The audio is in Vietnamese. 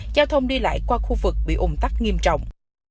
giao thông đi lại qua khu vực bị ủng tắc nghiêm trọng